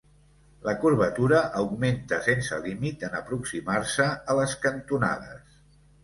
La curvatura augmenta sense límit en aproximar-se a les cantonades.